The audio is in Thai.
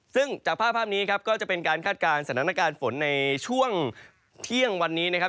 ซึ่งจากภาพนี้ครับก็จะเป็นการคาดการณ์สถานการณ์ฝนในช่วงเที่ยงวันนี้นะครับ